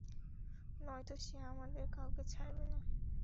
নয়তো সে আমাদের কাউকে ছাড়বে না।